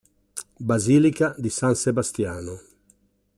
Basilica di San Sebastiano